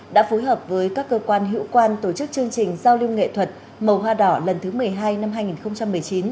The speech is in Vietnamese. đã phối hợp với các cơ quan hữu quan tổ chức chương trình giao lưu nghệ thuật màu hoa đỏ lần thứ một mươi hai năm hai nghìn một mươi chín